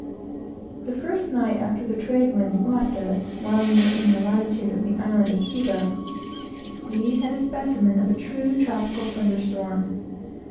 The first night after the tradewinds left us, while we were in the latitude of the island of Cuba, we had a specimen of a true tropical thunder storm.